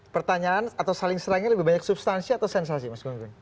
pertanyaan atau saling serangnya lebih banyak substansi atau sensasi mas gun gun